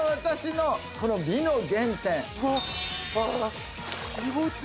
私のこの美の原点プハッ！